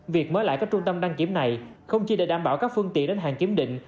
việc mới lại các trung tâm đăng kiểm này không chỉ để đảm bảo các phương tiện đến hàng kiểm định